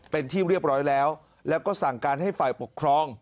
เป็นที่เรียบร้อยแล้วแล้วก็สั่งการให้ฝ่ายปกครอง